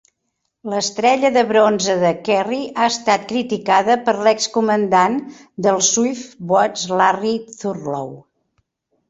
L'estrella de bronze de Kerry ha estat criticada per l'ex-comandant dels Swift Boats Larry Thurlow.